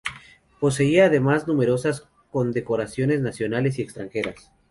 Poseía además numerosas condecoraciones nacionales y extranjeras.